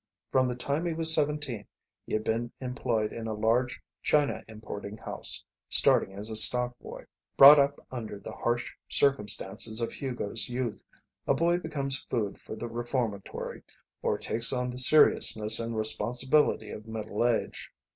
From the time he was seventeen he had been employed in a large china importing house, starting as a stock boy. Brought up under the harsh circumstances of Hugo's youth, a boy becomes food for the reformatory or takes on the seriousness and responsibility of middle age.